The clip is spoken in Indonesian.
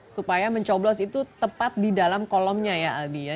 supaya mencoblos itu tepat di dalam kolomnya ya aldi ya